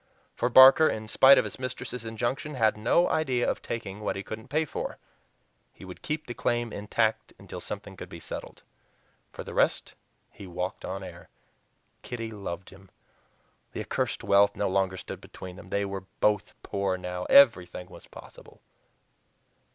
For Barker, in spite of his mistress's injunction, had no idea of taking what he couldn't pay for; he would keep the claim intact until something could be settled. For the rest, he walked on air! Kitty loved him! The accursed wealth no longer stood between them. They were both poor now everything was possible.